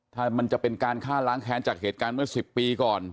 ถ้ามันจะเป็นการฆ่าล้างแค้นจากเหตุการณ์เมื่อ๑๐ปีก่อน